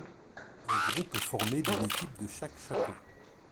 Un groupe est formé d'une équipe de chaque chapeau.